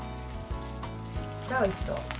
おいしそう。